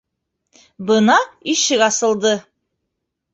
Бына ишек асылды.